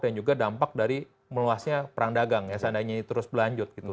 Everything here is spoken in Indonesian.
dan juga dampak dari meluasnya perang dagang ya seandainya ini terus berlanjut gitu